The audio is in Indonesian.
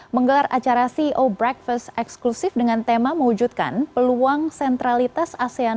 menggelar acara ceo breakfast eksklusif dengan tema mewujudkan peluang sentralitas asean